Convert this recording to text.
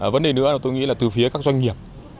vấn đề nữa tôi nghĩ là từ phía các doanh nghiệp